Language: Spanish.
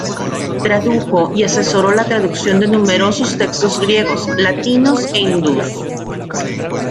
Tradujo y asesoró la traducción de numerosos textos griegos, latinos e hindúes.